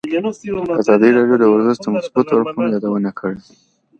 ازادي راډیو د ورزش د مثبتو اړخونو یادونه کړې.